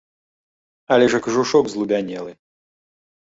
Але ж і кажушок злубянелы!